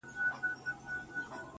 ه ياره په ژړا نه کيږي